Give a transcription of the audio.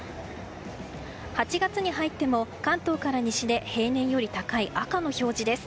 ８月に入っても関東から西で平年より高い赤の表示です。